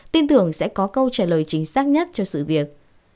tin tưởng sẽ có câu trả lời chính xác nhất cho sự việc